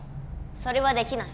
それはできない。